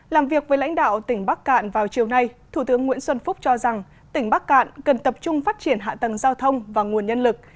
làm việc với lãnh đạo tỉnh bắc cạn vào chiều nay thủ tướng nguyễn xuân phúc cho rằng tỉnh bắc cạn cần tập trung phát triển hạ tầng giao thông và nguồn nhân lực